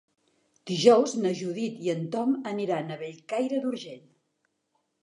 Dijous na Judit i en Tom aniran a Bellcaire d'Urgell.